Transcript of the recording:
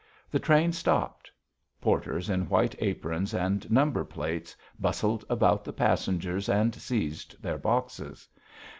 The train stopped. Porters in white aprons and number plates bustled about the passengers and seized their boxes.